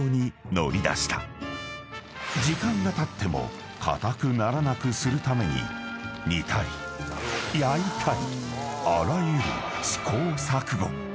［時間がたっても硬くならなくするために煮たり焼いたりあらゆる］